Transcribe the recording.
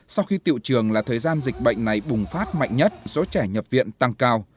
sau khi tiệu trường là thời gian dịch bệnh này bùng phát mạnh nhất số trẻ nhập viện tăng cao